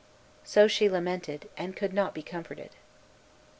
So she lamented, and could not be comforted.